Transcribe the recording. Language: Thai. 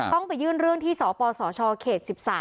ต้องไปยื่นเรื่องที่สปสชเขต๑๓